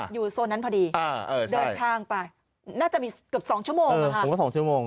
อยู่โซนนั้นพอดีเดินข้างไปน่าจะมีกับ๒ชั่วโมง